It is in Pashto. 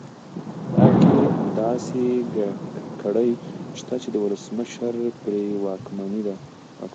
په ارګ کې داسې کړۍ شته چې د ولسمشر پرې واکمنه ده.